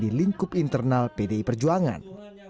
di lingkup internal pdi perjuangan